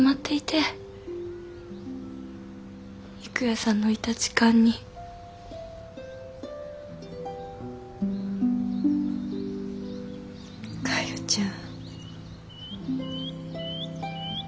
郁弥さんのいた時間に。かよちゃん。